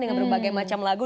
dengan berbagai macam lagu